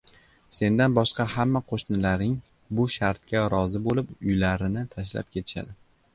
Sendan boshqa hamma qoʻshnilaring bu shartga rozi boʻlib uylarini tashlab ketishadi.